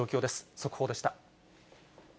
速報でした。